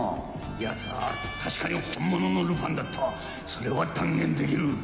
奴は確かに本物のルパンだったそれは断言できる。